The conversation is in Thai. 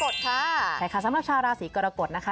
ใช่ค่ะสำนักชาวราศรีกรกฎนะคะ